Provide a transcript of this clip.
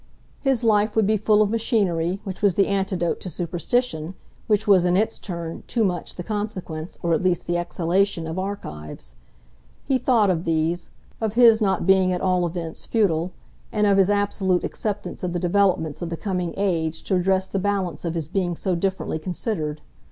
His life would be full of machinery, which was the antidote to superstition, which was in its turn, too much, the consequence, or at least the exhalation, of archives. He thought of these of his not being at all events futile, and of his absolute acceptance of the developments of the coming age to redress the balance of his being so differently considered.